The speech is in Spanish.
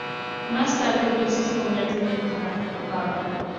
Más tarde, Vincent se convierte en el personaje jugable.